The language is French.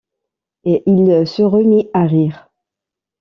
Et il se remit à rire.